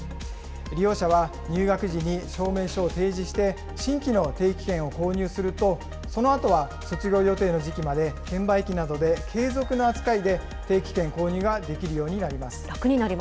利用者は、入学時に証明書を提示して、新規の定期券を購入すると、そのあとは卒業予定の時期まで、券売機などで継続の扱いで定期券購入ができるようになります。